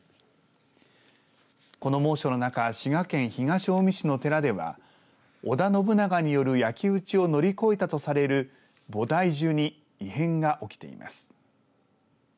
この猛暑の中滋賀県東近江市の寺では織田信長による焼き打ちを乗り越えたとされる菩提樹に異変が起きています。